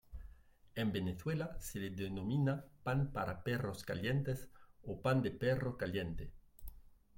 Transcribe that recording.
En Venezuela se le denomina pan para perros calientes o pan de perro caliente.